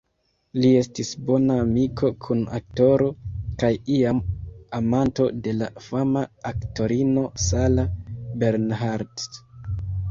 Li estis bona amiko, kun-aktoro, kaj iam amanto de la fama aktorino Sarah Bernhardt.